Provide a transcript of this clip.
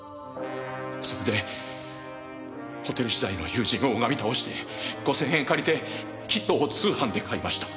それでホテル時代の友人を拝み倒して５千円借りてキットを通販で買いました。